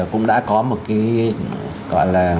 cũng đã có một cái gọi là